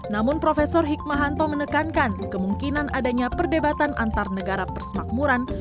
namun prof hikmahanto menekankan kemungkinan adanya perdebatan antar negara persemakmuran